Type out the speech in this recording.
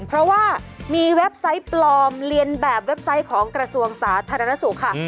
เพราะว่ามีเว็บไซต์ปลอมเรียนแบบเว็บไซต์ของกระทรวงสาธารณสุขค่ะ